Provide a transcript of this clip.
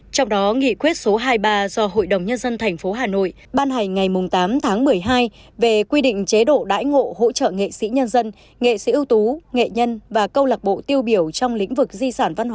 trong đó nghị quyết số hai mươi ba do hội đồng nhân dân tp hà nội ban hành ngày tám tháng một mươi hai về quy định chế độ đãi ngộ hỗ trợ nghệ sĩ nhân dân nghệ sĩ ưu tú nghệ nhân và câu lạc bộ tiêu biểu trong lĩnh vực di sản văn hóa